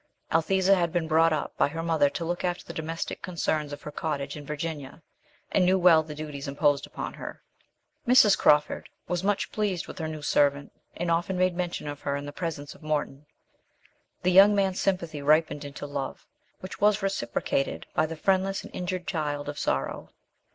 Althesa had been brought up by her mother to look after the domestic concerns of her cottage in Virginia, and knew well the duties imposed upon her. Mrs. Crawford was much pleased with her new servant, and often made mention of her in the presence of Morton. The young man's sympathy ripened into love, which was reciprocated by the friendless and injured child of sorrow.